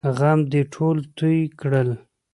غم دې ټول توی کړل!